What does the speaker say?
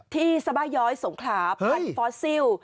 ที่สบายอยสงครามผัดฟอสซิล